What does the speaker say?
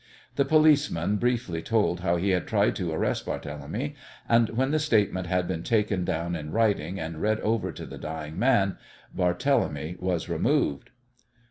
The policeman briefly told how he had tried to arrest Barthélemy, and when the statement had been taken down in writing and read over to the dying man Barthélemy was removed.